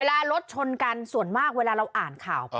รถชนกันส่วนมากเวลาเราอ่านข่าว